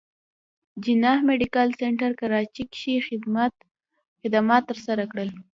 جناح ميډيکل سنټر کراچې کښې خدمات تر سره کړل